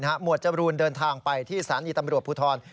หวดจรูนเดินทางไปที่สถานีตำรวจภูทร